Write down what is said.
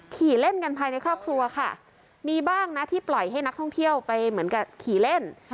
ขี่เล่นกันภายในครอบครัวค่ะมีบ้างนะที่ปล่อยให้นักท่องเที่ยวไปเหมือนกับขี่เล่น